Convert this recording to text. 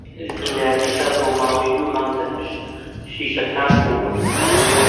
زیندانییەکە بۆ ماوەی دوو مانگ لە پشت شیشەکان بوو.